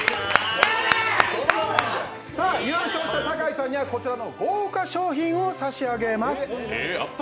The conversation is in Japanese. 優勝した酒井さんにはこちらの豪華賞品を差し上げます。